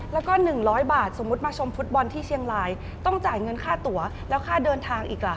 แล้วก็๑๐๐บาทสมมุติมาชมฟุตบอลที่เชียงรายต้องจ่ายเงินค่าตัวแล้วค่าเดินทางอีกล่ะ